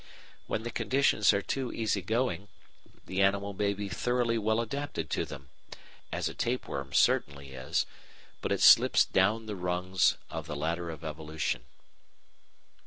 When the conditions are too easygoing, the animal may be thoroughly well adapted to them as a tapeworm certainly is but it slips down the rungs of the ladder of evolution.